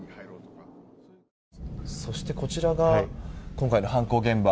そして、こちらが今回の犯行現場。